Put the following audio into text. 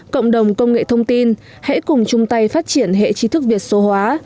cộng đồng công nghệ thông tin hãy cùng chung tay phát triển hệ trí thức việt số hóa